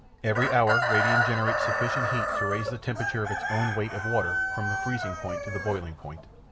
"Every hour radium generates sufficient heat to raise the temperature of its own weight of water, from the freezing point to the boiling point."